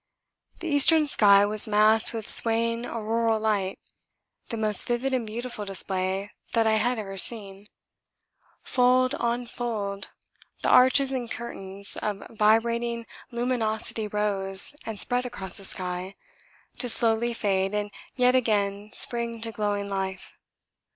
The eastern sky was massed with swaying auroral light, the most vivid and beautiful display that I had ever seen fold on fold the arches and curtains of vibrating luminosity rose and spread across the sky, to slowly fade and yet again spring to glowing life.